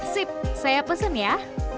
sip saya pesen ya